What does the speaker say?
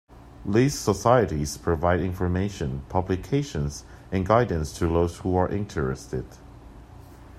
These societies provide information, publications and guidance to those who are interested.